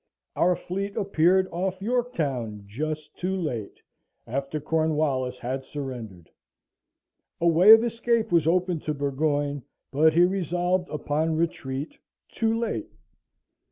Our fleet appeared off York Town just too late, after Cornwallis had surrendered. A way of escape was opened to Burgoyne, but he resolved upon retreat too late.